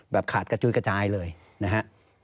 ขาดกระจุยกระจายเลยนะฮะ